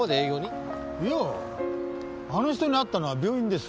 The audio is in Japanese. いやあの人に会ったのは病院です。